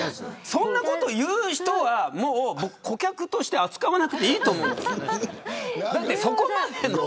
そんなこと言う人は顧客として扱わなくていいと思う。